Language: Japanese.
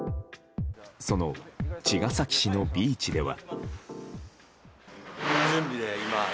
その茅ヶ崎市のビーチでは。